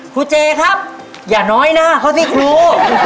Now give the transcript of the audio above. เจครับอย่าน้อยหน้าเขาสิครู